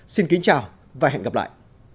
xin kính chào và hẹn gặp lại